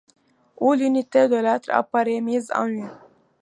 Où l’unité de l’être apparaît mise à nu !